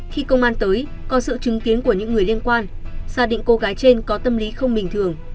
khi công an tới có sự chứng kiến của những người liên quan xác định cô gái trên có tâm lý không bình thường